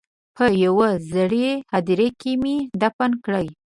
په یوې زړې هدیرې کې مې دفن کړې.